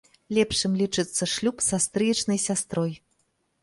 Лепшым лічыцца шлюб са стрыечнай сястрой.